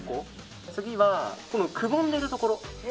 次はくぼんでるとこ。